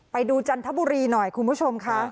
จันทบุรีหน่อยคุณผู้ชมค่ะ